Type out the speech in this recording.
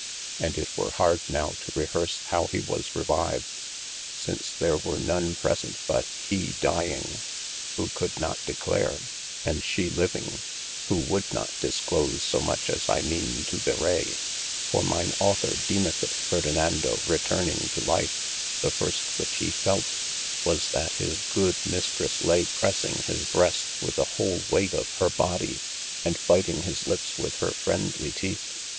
And It were hard nowe to rehearse how he was revyved, since there were none presente but hee dying, (who could not declare) and she living, who would not disclose so much as I meane to bewraye. For mine audthor dreameth yt Ferdenando returning to life, the first thing which he felt, was yl his good mistres lay pressing his brest with the whole weight of hir g. ee 433 THE ADVENTURES bodye, & byting his lips with hir friendly teeth.